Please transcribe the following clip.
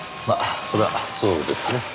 まあそれはそうですね。